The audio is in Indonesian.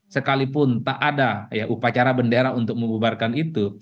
sekalipun tak ada upacara bendera untuk membubarkan itu